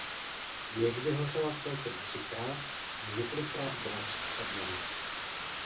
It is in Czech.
Věž vyhořela celkem třikrát a několikrát byla přestavěna.